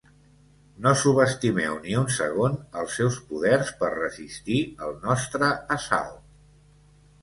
No subestimeu ni un segon els seus poders per resistir el nostre assalt.